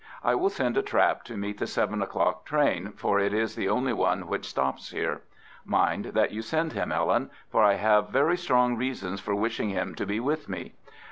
I will send a trap to meet the seven o'clock train, for it is the only one which stops here. Mind that you send him, Ellen, for I have very strong reasons for wishing him to be with me.